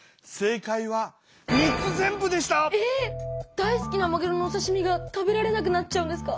大好きなまぐろのおさしみが食べられなくなっちゃうんですか。